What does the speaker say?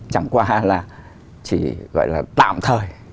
chẳng qua là chỉ gọi là tạm thời